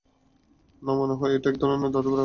না, মনে হয় এটা একধরনের ধাতবের আকরিক।